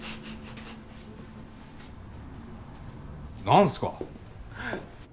何すか！？